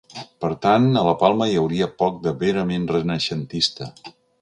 Per tant a La Palma hi hauria poc de verament renaixentista.